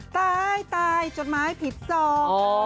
ตายตายจดหมายผิดซอง